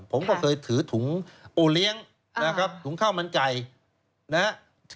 ผมก็เคยถือถุงโอเลี้ยงนะครับถุงข้าวมันไก่นะครับ